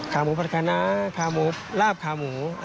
ขาหมูผัดคณะขาหมูลาบขาหมู